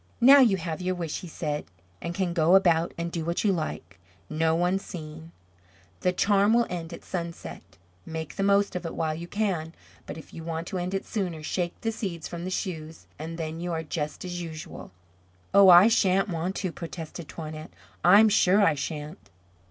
"Now you have your wish," he said, "and can go about and do what you like, no one seeing. The charm will end at sunset. Make the most of it while you can; but if you want to end it sooner, shake the seeds from the shoes and then you are just as usual." "Oh, I shan't want to," protested Toinette; "I'm sure I shan't."